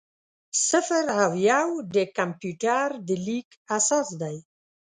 صفر او یو د کمپیوټر د لیک اساس دی.